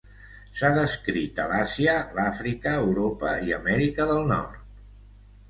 S'ha descrit a l'Àsia, l'Àfrica, Europa i Amèrica del Nord.